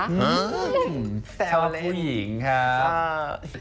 หื้อช่วงผู้หญิงครับ